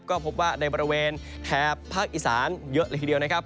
ก็พบว่าในบริเวณแถบภาคอีสานเยอะเลยทีเดียวนะครับ